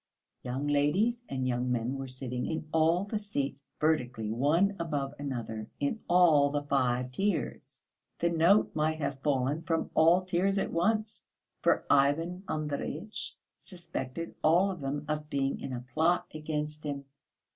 Young ladies and young men were sitting in all the seats vertically one above another in all the five tiers. The note might have fallen from all tiers at once, for Ivan Andreyitch suspected all of them of being in a plot against him.